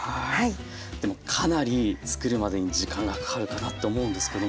でもかなり作るまでに時間がかかるかなって思うんですけども。